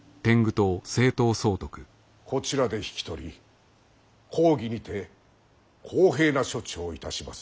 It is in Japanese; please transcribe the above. こちらで引き取り公儀にて公平な処置をいたします